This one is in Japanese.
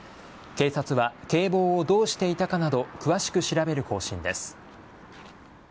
警察は警棒をどうしていたかなど詳しく調べる方針です。